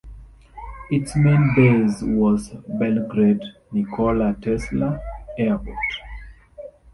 Its main base was Belgrade Nikola Tesla Airport.